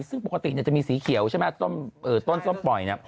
ซึ่งปกติจะมีสีเขียวใช่ไหมต้นส้มปล่อย